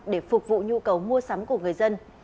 để phục vụ nhu cầu mua sắm của người dân